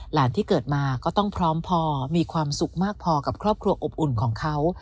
ที่เกิดมาก็ต้องพร้อมพอมีความสุขมากพอกับครอบครัวอบอุ่นของเขา